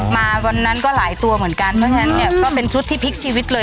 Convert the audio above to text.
มาวันนั้นก็หลายตัวเหมือนกันเพราะฉะนั้นเนี่ยก็เป็นชุดที่พลิกชีวิตเลย